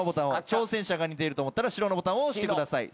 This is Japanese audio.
挑戦者が似てると思ったら白のボタンを押してください。